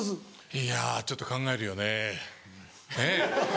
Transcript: いやちょっと考えるよねねぇ。